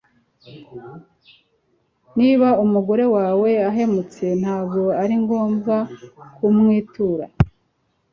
niba umugore wawe ahemutse, ntago aringombwa ku mwitura